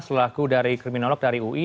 selaku dari kriminolog dari ui